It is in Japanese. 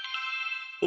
お？